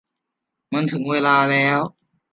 มันถึงเวลาแล้ว